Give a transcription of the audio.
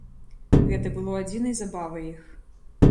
Гэта было адзінай забавай іх.